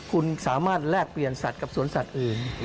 คุณสามารถแลกเปลี่ยนสัตว์กับสวนสัตว์อื่น